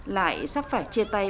lại sắp phải chia tay